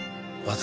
「私」